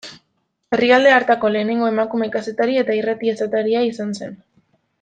Herrialde hartako lehenengo emakume kazetari eta irrati-esataria izan zen.